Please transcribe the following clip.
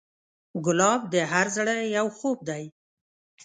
ګلاب د هر زړه یو خوب دی.